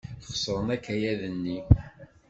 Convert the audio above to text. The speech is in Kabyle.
Xeṣren akayad-nni.